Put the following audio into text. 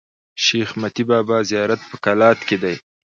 شېخ متي بابا زیارت په کلات کښي دﺉ.